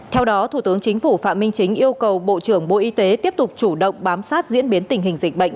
theo đó thủ tướng chính phủ phạm minh chính yêu cầu bộ trưởng bộ y tế tiếp tục chủ động bám sát diễn biến tình hình dịch bệnh